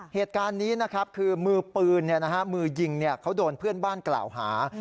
เหตุการณ์นี้นะครับคือมือปืนมือยิงเขาโดนเพื่อนบ้านกล่าวหา